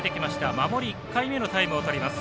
守り１回目のタイムをとります。